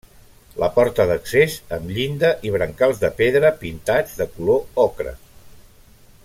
La porta d'accés amb llinda i brancals de pedra pintats de color ocre.